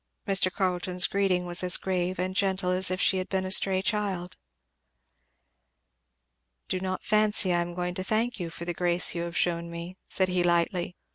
Mr. Carleton's greeting was as grave and gentle as if she had been a stray child. "Do not fancy I am going to thank you for the grace you have shewn me," said he lightly.